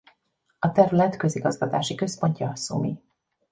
A terület közigazgatási központja Szumi.